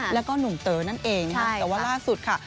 แล้วก็หนุ่มเต๋อนั่นเองนะคะแต่ว่าล่าสุดค่ะ